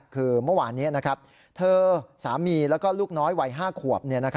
คือเมื่อวานนี้เธอสามีแล้วก็ลูกน้อยวัย๕ขวบ